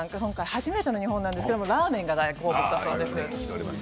初めての日本ですがラーメンが大好物だそうです。